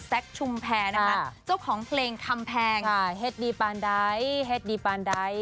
แซ็กชุ่มแพรนะค่ะจ้อของเพลงคำเพลงอ่าเฮ็ดดีปานได้เฮ็ดดีปานได้